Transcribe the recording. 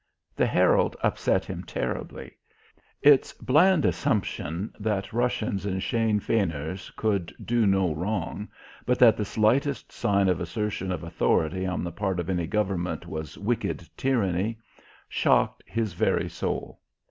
The Herald upset him terribly. Its bland assumption that Russians and Sein Feiners could do no wrong, but that the slightest sign of assertion of authority on the part of any government was "wicked tyranny," shocked his very soul.